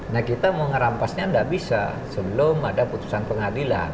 nah kita mau ngerampasnya tidak bisa sebelum ada putusan pengadilan